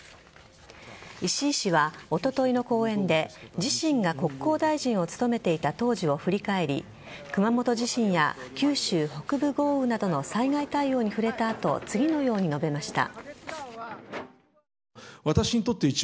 石井氏は、おとといの講演で自身が国交大臣を務めていた当時を振り返り熊本地震や九州北部豪雨などの災害対応に触れた後次のように述べました。